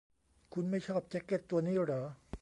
คุณไม่ชอบแจ๊คเก็ตตัวนี้หรอ